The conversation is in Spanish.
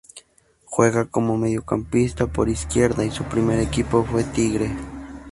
Juega como mediocampista por izquierda y su primer equipo fue Tigre.